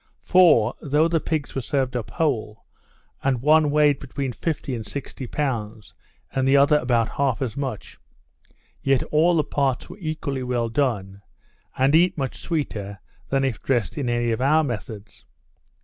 For, though the pigs were served up whole, and one weighed between fifty and sixty pounds, and the other about half as much, yet all the parts were equally well done, and eat much sweeter than if dressed in any of our methods.